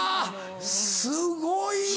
すごいな。